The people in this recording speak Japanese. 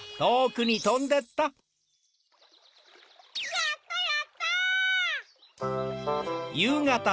やったやった！